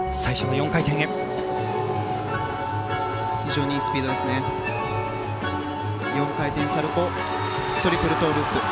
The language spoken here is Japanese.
４回転サルコウトリプルトウループ。